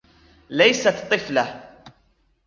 ليست طفلة.